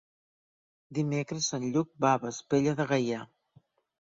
Dimecres en Lluc va a Vespella de Gaià.